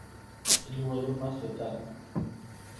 El jugador más letal.